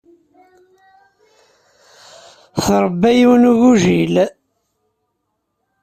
Tṛebba yiwen n ugujil.